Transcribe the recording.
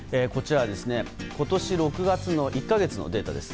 今年６月の１か月のデータです。